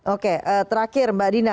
oke terakhir mbak dina